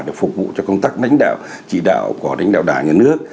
để phục vụ cho công tác đánh đạo chỉ đạo của lãnh đạo đảng nhà nước